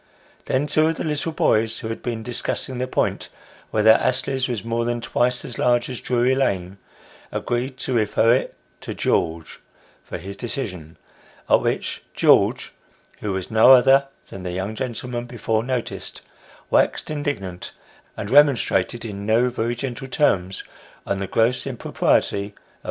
Then two of the little boys who had been discussing the point whether Astley's was more than twice as large as Drury Lane, agreed to refer it to "George" for his decision; at which "George," who was no other than the young gentleman before noticed, waxed indignant, and remonstrated in no very gentle terms on the gross impropriety of 78 Sketches "by Bos.